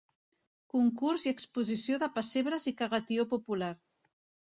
Concurs i exposició de pessebres i caga tió popular.